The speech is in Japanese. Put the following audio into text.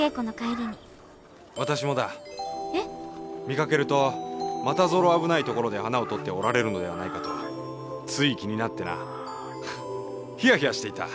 見かけるとまたぞろ危ない所で花をとっておられるのではないかとつい気になってなひやひやしていた。